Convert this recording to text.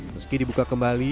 meski dibuka kembali